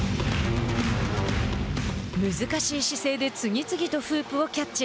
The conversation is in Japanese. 難しい姿勢で次々とフープをキャッチ。